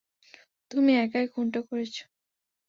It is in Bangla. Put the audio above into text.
তুমি একাই খুনটা করেছ।